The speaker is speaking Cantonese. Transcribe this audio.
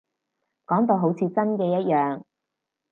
講到好似真嘅一樣